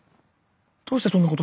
どうしてそんなことに。